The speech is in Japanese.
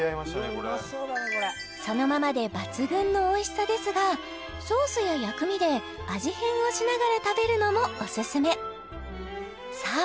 これそのままで抜群のおいしさですがソースや薬味で味変をしながら食べるのもオススメさあ